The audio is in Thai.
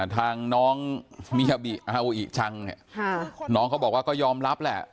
ทางน้องมิยาบิอาโออิชังน้องเขาบอกว่าก็ยอมรับแหละ